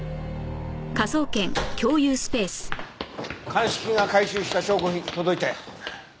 鑑識が回収した証拠品届いたよ。